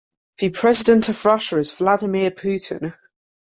The president of Russia is Vladimir Putin.